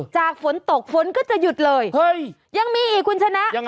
จากฝนตกฝนก็จะหยุดเลยยังมีอีกคุณชนะยังไง